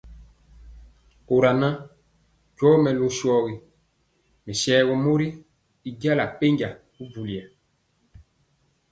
Kora nan ndɔɔ melu shorgi mesayeg mori i jala penja bubuli ya.